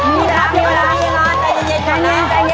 กลับมาให้